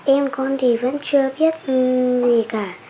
em con thì vẫn chưa biết gì cả